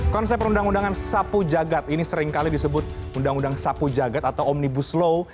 konsep perundang undangan sapu jagad ini seringkali disebut undang undang sapu jagat atau omnibus law